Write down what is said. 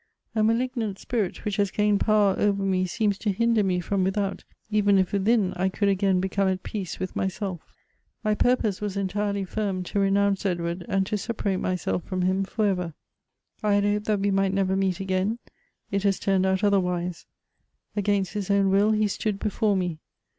A malignant spirit which has gained power over me seems to hinder me from without, even if within I could again become at peace with myself. "My purpose was entirely firm to renounce Edward, and to separate myself from him for ever. I had hoped that we might never meet again ; it has turned out other wise. Against his own will he stood before me.